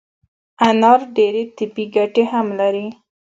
انار ډیري طبي ګټي هم لري